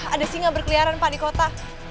ada singa berkeliaran pak di kota